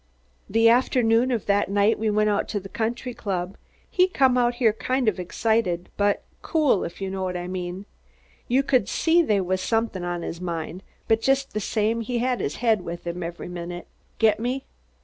"The afternoon of the night we went out to the country club he come out here, kind of excited, but cool, if you know what I mean. You could see they was somethin' on his mind, but just the same he had his head with him every minute. Get me?